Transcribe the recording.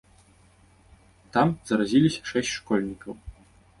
Там заразіліся шэсць школьнікаў.